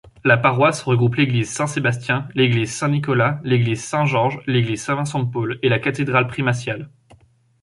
La paroisse regroupe l'église Saint-Sébastien, l'église Saint-Nicolas, l'église Saint-Georges, l'église Saint-Vincent-de-Paul et la Cathédrale-Primatiale.